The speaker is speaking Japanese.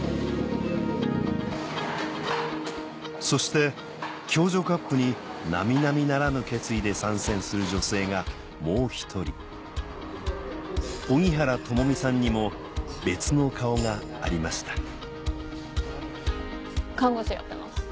そしてＫＹＯＪＯＣＵＰに並々ならぬ決意で参戦する女性がもう１人荻原友美さんにも別の顔がありました